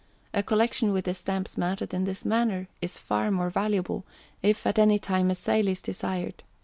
A Collection with the Stamps mounted in this manner is far more valuable, if at any time a sale is desired.